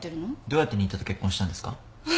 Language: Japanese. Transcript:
どうやって新田と結婚したんですか？